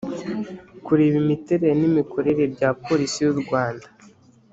kureba imiterere n’imikorere bya polisi y’u rwanda